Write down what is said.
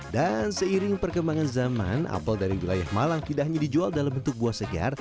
dan seiring perkembangan zaman apel dari wilayah malang tidak hanya dijual dalam bentuk buah segar